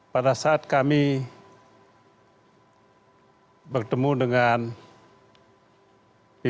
pada saat kami bertemu dengan pak bapak